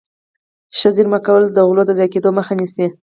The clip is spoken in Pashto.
ښه زيرمه کول د غلو د ضايع کېدو مخه نيسي.